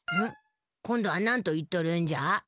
ん？今度は何と言っとるんじゃ？